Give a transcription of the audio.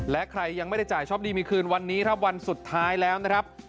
และใครยังไม่ได้จ่ายช็อปดีมีคืนวันนี้ครับวันสุดท้ายแล้วนะครับ